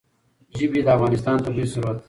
ژبې د افغانستان طبعي ثروت دی.